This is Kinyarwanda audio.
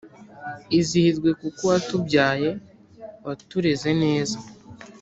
izihirwe kuko watubyaye ,watureze neza